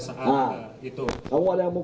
sudah cukup ya